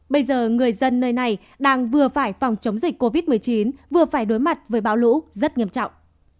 bây giờ người dân nơi này đang vừa phải phòng chống dịch covid một mươi chín vừa phải đối mặt với bão lũ rất nghiêm trọng